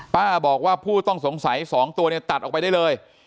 ป้าบอกว่าผู้ต้องสงสัย๒ตัวเนี่ยตัดออกไปได้เลย